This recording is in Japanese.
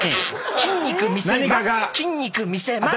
筋肉見せます。